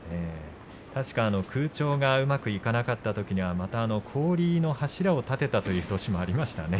確か空調がうまくいかなかったときには氷の柱を立てたという年もありましたね。